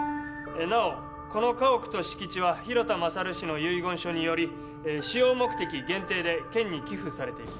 なおこの家屋と敷地は広田勝氏の遺言書により使用目的限定で県に寄付されています